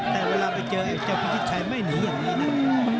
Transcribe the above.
แต่เวลาไปเจอเจ้าพิชิตชัยไม่หนีอย่างนี้นะ